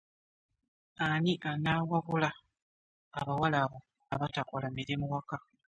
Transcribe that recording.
Ani anaawabula abawala abo abatakola mirimu waka?